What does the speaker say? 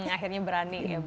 akhirnya berani ya